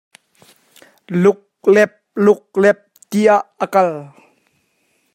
Luplep luplep tiah a kal.